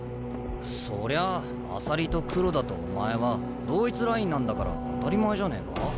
そりゃ朝利と黒田とお前は同一ラインなんだから当たり前じゃねえか？